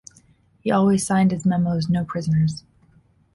He always signed his memos "no prisoners".